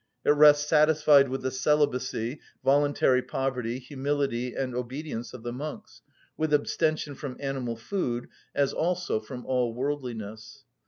It rests satisfied with the celibacy, voluntary poverty, humility, and obedience of the monks, with abstention from animal food, as also from all worldliness.